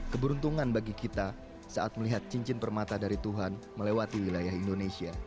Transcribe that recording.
keberuntungan bagi kita saat melihat cincin permata dari tuhan melewati wilayah indonesia